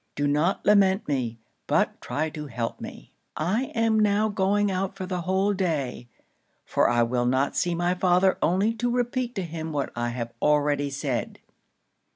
Do not lament me, but try to help me. I am now going out for the whole day; for I will not see my father only to repeat to him what I have already said.